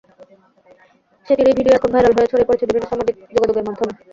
সেটিরই video এখন viral হয়ে ছড়িয়ে পড়েছে বিভিন্ন সামাজিক যোগাযোগের মাধ্যমে।